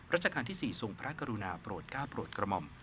ราชการที่๔ทรงพระกรุณาโปรดก้าวโปรดกระหม่อม